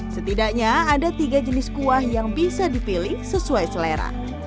setidaknya ada tiga jenis kuah yang bisa dipilih sesuai selera